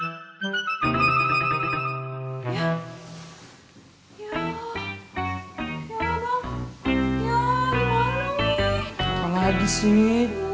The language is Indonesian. malah tempe terakhir lagi nih